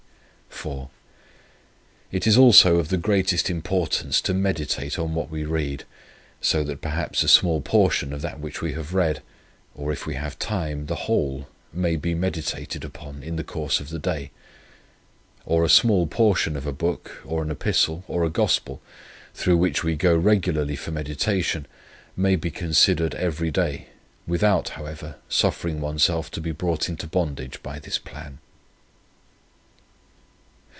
"IV. It is also of the greatest importance to meditate on what we read, so that perhaps a small portion of that which we have read, or, if we have time, the whole may be meditated upon in the course of the day. Or a small portion of a book, or an epistle, or a gospel, through which we go regularly for meditation, may be considered every day, without, however, suffering oneself to be brought into bondage by this plan.